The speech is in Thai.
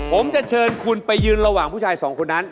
ผมจะเชิญคุณไปยืนระหว่างผู้ชายสองคนนั้น